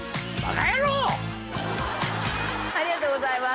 ありがとうございます